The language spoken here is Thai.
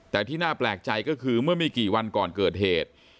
แต่ที่น่าแปลกใจก็คือเมื่อไม่กี่วันก่อนเกิดเหตุ